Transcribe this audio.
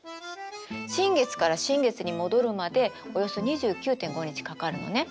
新月から新月に戻るまでおよそ２９．５日かかるのね。